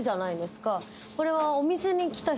これは。